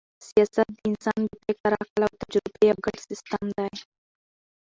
سیاست د انسان د فکر، عقل او تجربې یو ګډ سیسټم دئ.